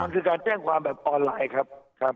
ซึ่งการแจ้งความแบบรายละเอียดครับ